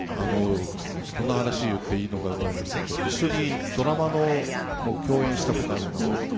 こんな話言っていいのかわかりませんけど一緒にドラマも共演した事あるんですよ。